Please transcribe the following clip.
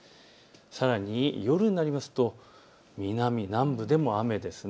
さらに夜になりますと南部でも雨です。